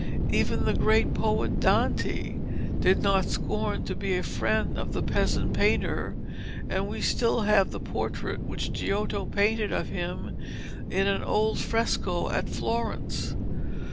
Even the great poet Dante did not scorn to be a friend of the peasant painter, and we still have the portrait which Giotto painted of him in an old fresco at Florence.